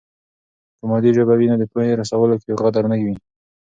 که مادي ژبه وي نو د پوهې رسولو کې غدر نه وي.